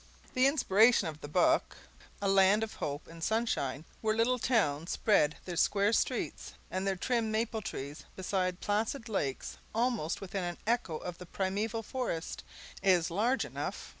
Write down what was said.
The inspiration of the book, a land of hope and sunshine where little towns spread their square streets and their trim maple trees beside placid lakes almost within echo of the primeval forest, is large enough.